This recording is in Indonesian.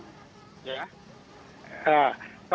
kalau kita ambil aja rupiah empat belas enam ratus